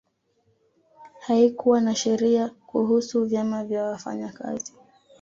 Haikuwa na sheria kuhusu vyama vya wafanyakazi